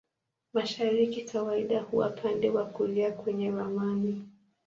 Mashariki kawaida huwa upande wa kulia kwenye ramani.